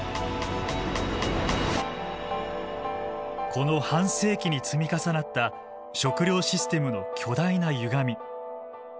この半世紀に積み重なった食料システムの巨大なゆがみ。